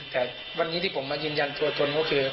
แต่วันนี้ที่ผมมายืนยันตัวตนก็คือ